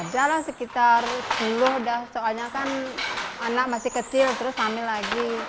jalan sekitar sepuluh dah soalnya kan anak masih kecil terus hamil lagi